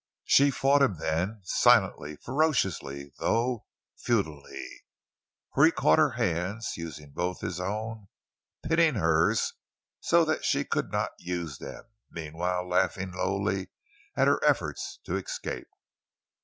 She fought him then, silently, ferociously, though futilely. For he caught her hands, using both his own, pinning hers so that she could not use them, meanwhile laughing lowly at her efforts to escape.